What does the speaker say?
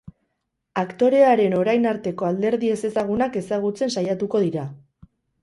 Aktorearen orain arteko alderdi ezezagunak ezagutzen saiatuko dira.